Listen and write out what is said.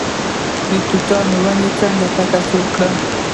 د توتانو ونې څنګه تکثیر کړم؟